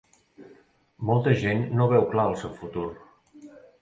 Molta gent no veu clar el seu futur.